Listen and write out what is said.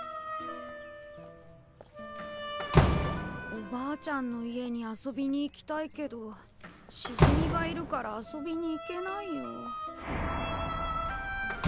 おばあちゃんの家に遊びに行きたいけどしじみがいるから遊びに行けないよ。